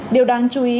điều đáng chú ý